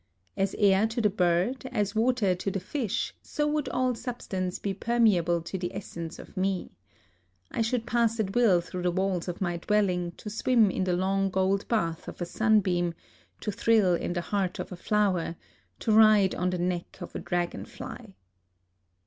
As air to the bird, as water to the fish, so would all substance be permeable to the es sence of me. I should pass at will through the walls of my dwelling to swim in the long gold bath of a sunbeam, to thrill in the heart of a flower, to ride on the neck of a dragon fly.